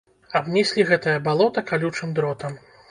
Абнеслі гэтае балота калючым дротам.